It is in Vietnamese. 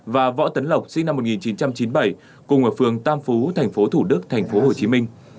và võ tấn lộc sinh năm một nghìn chín trăm chín mươi bảy cùng ở phường tam phú thành phố thủ đức thành phố hồ chí minh